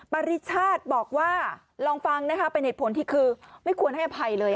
ปริชาติบอกว่าลองฟังนะคะเป็นเหตุผลที่คือไม่ควรให้อภัยเลย